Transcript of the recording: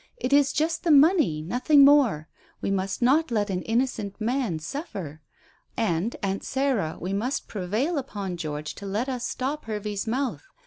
"It is just the money nothing more. We must not let an innocent man suffer. And, 'Aunt' Sarah, we must prevail upon George to let us stop Hervey's mouth.